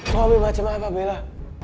soalnya macam apa bella